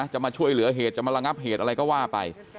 จะมาช่วยเหลือเหตุจะมาระงับเหตุอะไรก็ว่าไป